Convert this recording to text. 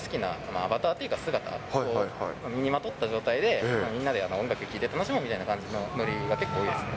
それが仮想空間上で、それぞれおのおの好きなアバターっていうか、姿を身にまとった状態で、みんなで音楽聴いて楽しもうみたいな感じのノリが結構多いですね。